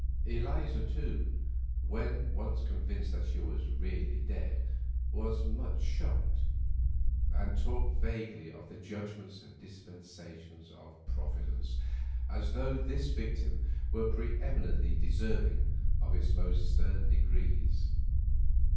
Eliza, too, when once convinced that she was "really dead," was "much shocked," and talked vaguely of the judgments and dispensations of Providence, as though this victim were pre eminently deserving of its most stern decrees.